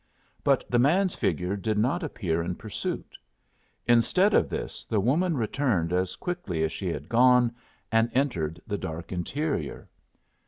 But the man's figure did not appear in pursuit. Instead of this, the woman returned as quickly as she had gone, and entered the dark interior.